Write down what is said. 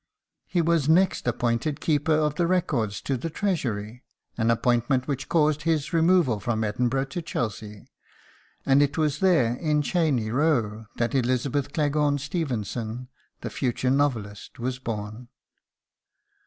He was next appointed Keeper of the Records to the Treasury, an appointment which caused his removal from Edinburgh to Chelsea; and it was there, in Cheyne Row, that Elizabeth Cleghorn Stevenson, the future novelist, was born.